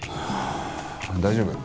大丈夫。